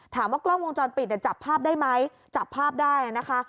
กล้องวงจรปิดจับภาพได้ไหมจับภาพได้นะคะ